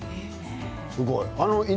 すごい。